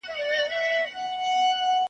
د جګړې له امله د اوښتو زیانونو جبران.